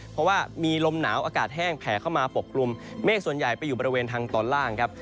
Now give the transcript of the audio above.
เพราะว่ามีลมหนาวอากาศแห้งแผ่เข้ามาปกกลุ่มเมฆส่วนใหญ่ไปอยู่บริเวณทางตอนล่างครับ